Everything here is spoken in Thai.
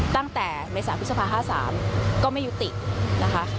ตั้งแต่เมษาพฤษภา๕๓ก็ไม่ยุตินะคะ